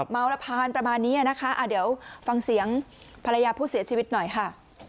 เมาระพานประมาณนี้นะคะเดี๋ยวฟังเสียงภรรยาผู้เสียชีวิตหน่อยค่ะ